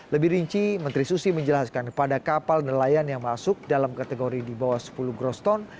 lebih rinci menteri susi menjelaskan kepada kapal nelayan yang masuk dalam kategori di bawah sepuluh groston